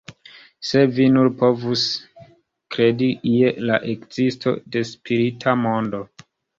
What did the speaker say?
Se vi nur povus kredi je la ekzisto de spirita mondo!